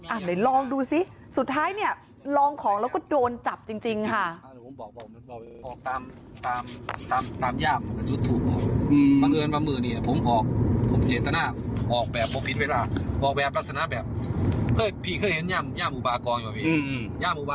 อ่ะเดี๋ยวลองดูสิสุดท้ายลองของแล้วก็โดนจับจริงค่ะ